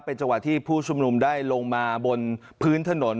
จังหวะที่ผู้ชุมนุมได้ลงมาบนพื้นถนน